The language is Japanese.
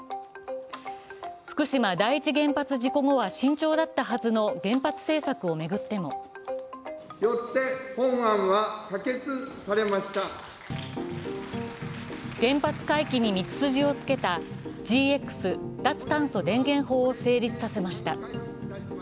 福島第一原発事故後は慎重だったはずの原発政策を巡っても原発回帰に道筋をつけたＧＸ脱炭素電源法を成立させました。